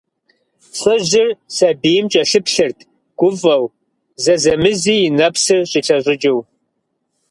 ЛӀыжьыр сабийм кӀэлъыплъырт гуфӀэу, зэзэмызи и нэпсыр щӀилъэщӀыкӀыу.